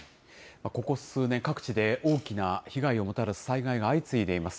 ここ数年、各地で大きな被害をもたらす災害が相次いでいます。